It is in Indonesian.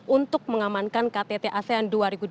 untuk mengamankan ktt asean dua ribu dua puluh